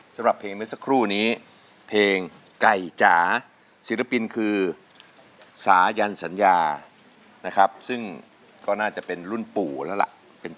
สำหรับเพลงมันสักครู่นี้นี่เป็นเพลงใก่จ๋าศิษย์ธรรมนี้คือสายัลสัญยาก็น่าจะเป็นรุ่นปู่แล้วล่ะ